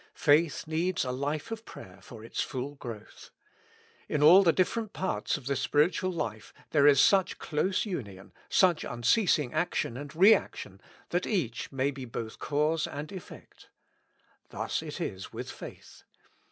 Faith needs a life of prayer for its full growth. In all the different parts of the spiritual life there is such close union, such unceasing action and re action, that each may be both cause and effect. Thus it is with faith.